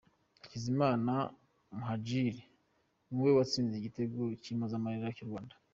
Hakizimana Muhadjili ni we watsinze igitego cy'impozamarira cy'u Rwanda.